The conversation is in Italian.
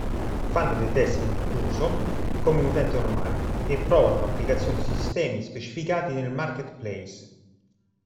Fanno dei test d'uso come un utente normale e provano l'applicazione sui sistemi specificati nel marketplace.